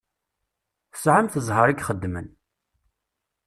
Tesεamt ẓẓher i ixeddmen.